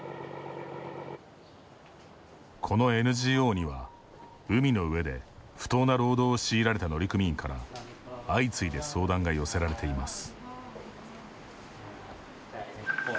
このＮＧＯには、海の上で不当な労働を強いられた乗組員から相次いで相談が寄せられています。